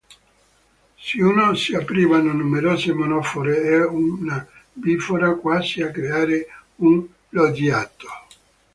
Su uno si aprivano numerose monofore e una bifora, quasi a creare un loggiato.